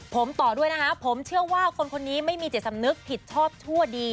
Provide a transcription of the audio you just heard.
ผมต่อด้วยนะฮะผมเชื่อว่าคนคนนี้ไม่มีจิตสำนึกผิดชอบชั่วดี